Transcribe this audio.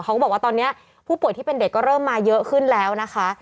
เขาก็บอกว่าตอนนี้ผู้ป่วยที่เป็นเด็กก็เริ่มมาเยอะขึ้นแล้วนะคะ